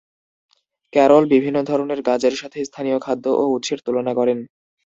Carroll বিভিন্ন ধরনের গাঁজার সাথে স্থানীয় খাদ্য ও উৎসের তুলনা করেন।